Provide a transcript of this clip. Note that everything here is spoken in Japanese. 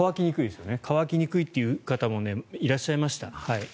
乾きにくいという方もいらっしゃいました。